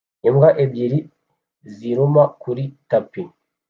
Imbwa ebyiri ziruma kuri tapi